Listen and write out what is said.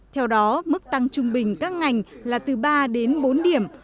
theo đó mức tăng trung bình các ngành là từ ba đến bốn điểm